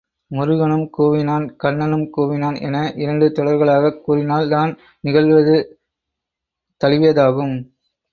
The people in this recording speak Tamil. முருகனும் கூவினான் கண்ணனும் கூவினான் என இரண்டு தொடர்களாகக் கூறினால் தான் நிகழ்வது தழுவியதாகும்.